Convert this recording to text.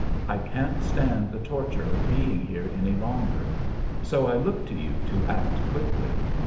I can't stand the torture of being here any longer, so I look to you to act quickly.